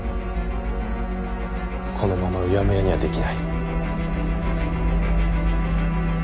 このままうやむやにはできない。